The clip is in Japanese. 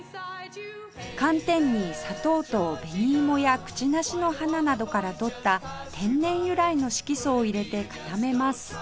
寒天に砂糖と紅芋やクチナシの花などから取った天然由来の色素を入れて固めます